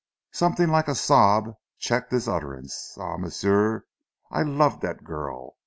Something like a sob checked his utterance. "Ah, m'sieu, I love dat girl.